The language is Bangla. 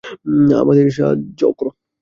আমাদের সাহায্য করো।